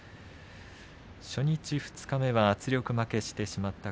初日、二日目に圧力負けしてしまった。